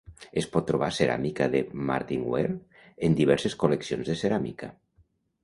Es pot trobar ceràmica de Martinware en diverses col·leccions de ceràmica.